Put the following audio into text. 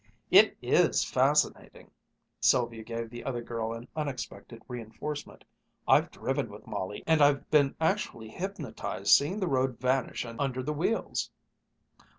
"It is fascinating," Sylvia gave the other girl an unexpected reinforcement. "I've driven with Molly, and I've been actually hypnotized seeing the road vanish under the wheels."